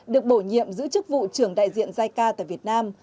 được bổ nhiệm giữ chức vụ trưởng đại diện giai ca tại việt nam